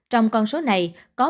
trong con số này có một mươi ba chín